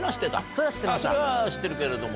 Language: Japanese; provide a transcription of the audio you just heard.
それは知ってるけれども。